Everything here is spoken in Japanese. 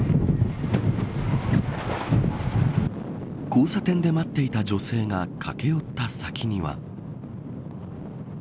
交差点で待っていた女性が駆け寄った先には。